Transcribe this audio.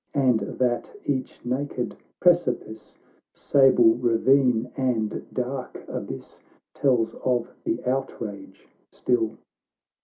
And that each naked precipice, Sable ravine and dark abyss, Tells of the outrage still.